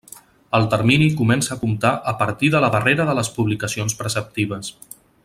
El termini comença a comptar a partir de la darrera de les publicacions preceptives.